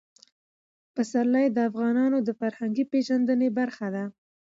پسرلی د افغانانو د فرهنګي پیژندنې برخه ده.